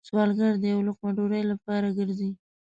سوالګر د یو لقمه ډوډۍ لپاره گرځي